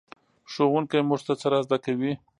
ښوونکی موږ ته څه را زده کوي؟